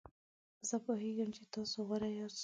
زه پوهیږم چې تاسو غوره یاست.